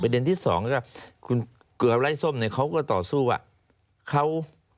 ประเด็นที่สองก็คุณเกลือไล่ส้มเขาก็ต่อสู้ว่า